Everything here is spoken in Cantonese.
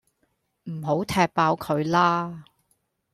唔好踢爆佢喇